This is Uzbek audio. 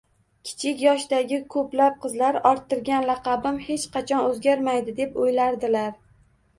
Kichik yoshdagi ko‘plab qizlar “orttirgan laqabim hech qachon o‘zgarmaydi”, deb o‘ylaydilar.